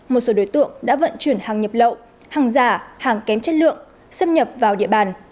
một số đối tượng đã vận chuyển hàng nhập lậu hàng giả hàng kém chất lượng xâm nhập vào địa bàn